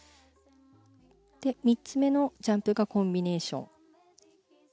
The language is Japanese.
３つ目のジャンプがコンビネーション。